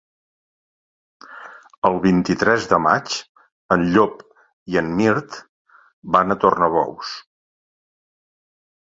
El vint-i-tres de maig en Llop i en Mirt van a Tornabous.